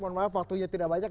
mohon maaf waktunya tidak banyak